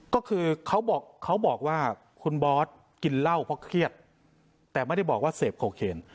ก็คือเขาบอกว่าคุณบอสกินเหล้าเพราะเครียดแต่ไม่ได้บอกว่าเสพโคเคน